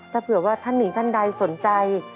ถ้าเผื่อว่าท่านหนึ่งท่านใดสนใจ